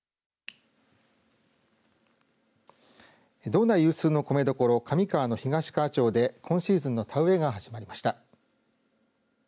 道内有数の米どころ上川の東川町で今シーズンの田植えが始まりました。